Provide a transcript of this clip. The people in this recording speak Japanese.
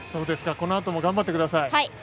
このあとも頑張ってください。